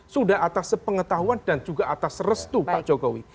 sudah atas sepengetahuan dan juga atas restu pak jokowi